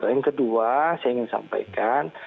yang kedua saya ingin sampaikan